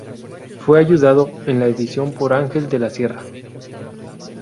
Fue ayudado en la edición por Ángel de la Sierra.